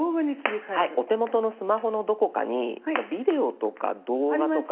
お手元のスマホのどこかに「ビデオ」とか「動画」とか。